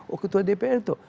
oh ketua dpr itu